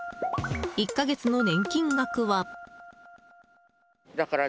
１か月の年金額は。